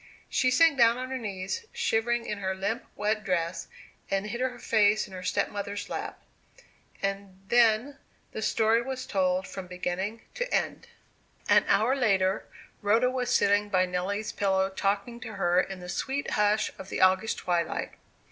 She sank down on her knees, shivering in her limp, wet dress, and hid her face in her stepmother's lap. And then the story was told from beginning to end. An hour later, Rhoda was sitting by Nelly's pillow, talking to her in the sweet hush of the August twilight.